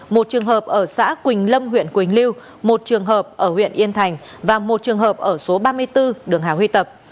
một trường hợp ở xã quỳnh lâm huyện quỳnh lưu một trường hợp ở huyện yên thành và một trường hợp ở số ba mươi bốn đường hà huy tập